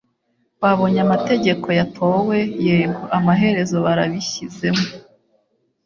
babonye amategeko yatowe? yego, amaherezo barabishyizemo